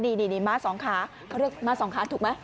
นี่ม้าสองขาเขาเลือกม้าสองขาถูกไหม